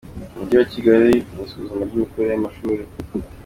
Umujyi wa Kigali mu isuzuma ry’imikorere y’amashuri